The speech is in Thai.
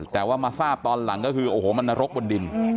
แต่ว่ามาทราบตอนหลังก็คือโอ้โหมันนรกบนดิน